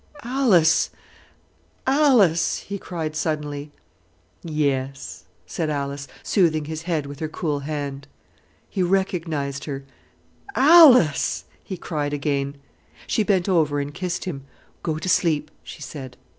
"Alice, Alice!" he cried suddenly. "Yes," said Alice, soothing his head with her cool hand. He recognized her. "Alice!" he cried again. She bent over and kissed him. "Go to sleep," she said.